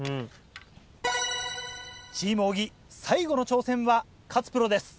チーム小木最後の挑戦は勝プロです。